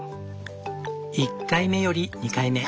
１回目より２回目。